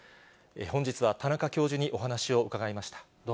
本日は田中教授にお話を伺いました。